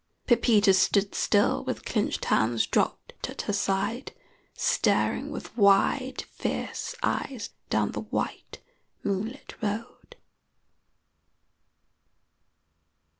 Pepita stood still with clinched hands dropped at her side, staring with wide fierce eyes down the white moonlit road.